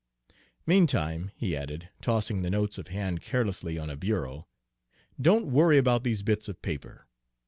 Meantime," he added, tossing the notes of hand carelessly on a bureau, "don't worry about these bits of paper.